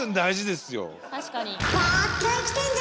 確かに。